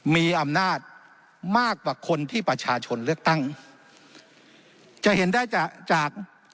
มีอำนาจมากกว่าคนที่ประชาชนเลือกตั้งจะเห็นได้จากจาก